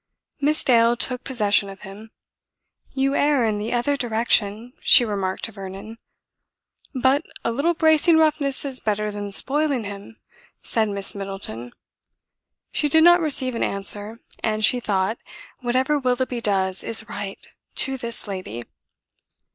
Miss Dale took possession of him. "You err in the other direction," she remarked to Vernon. "But a little bracing roughness is better than spoiling him." said Miss Middleton. She did not receive an answer, and she thought: "Whatever Willoughby does is right, to this lady!"